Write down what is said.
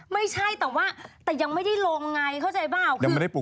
ไม่ใช่แต่ว่าแต่ยังไม่ได้ลงไงเข้าใจเปล่าคือ